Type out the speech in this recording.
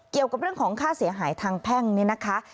เกี่ยวกับเรื่องของค่าเสียหายทางแพ่งเนี่ยนะคะ